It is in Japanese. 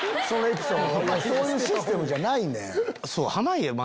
そういうシステムじゃないねん！